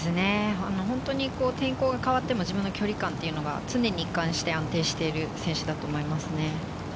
本当に天候が変わっても、自分の距離感が常に一貫して安定している選手だと思いますね。